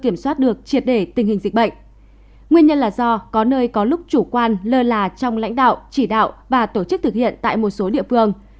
nguyên nhân là do có nơi có lúc chủ quan lơ là trong lãnh đạo chỉ đạo và tổ chức thực hiện tại một số địa phương